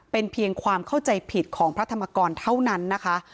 เป็นเพียงความเข้าใจผิดของพระธรรมกรเท่านั้นนะคะ